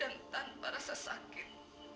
dan tanpa rasa sakit